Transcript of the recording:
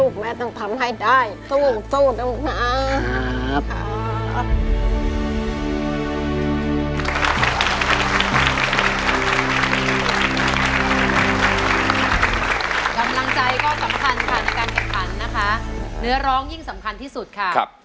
กำลังใจก็สำคัญภาพกันกันเพราะพันนะคะเนื้อร้องยิ่งสำคัญที่สุดค่ะ